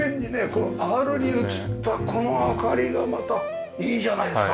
このアールに映ったこの明かりがまたいいじゃないですか。